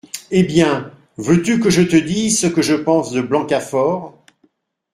Eh bien, veux-tu que je te dise ce que je pense de Blancafort ?…